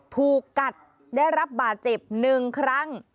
ถูกกัดได้รับบาดเจ็บ๑ครั้ง